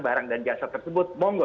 barang dan jasa tersebut monggo